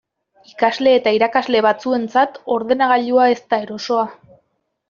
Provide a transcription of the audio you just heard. Ikasle eta irakasle batzuentzat ordenagailua ez da erosoa.